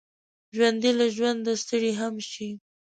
ژوندي له ژونده ستړي هم شي